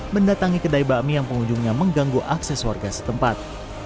mendatangi kedai bakmi yang pengunjungnya mengganggu akses warga setempat